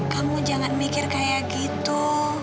kamu jangan mikir kayak gitu